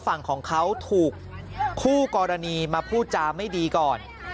ฝั่งของเขาถูกคู่กรณีมาพูดจาไม่ดีก่อน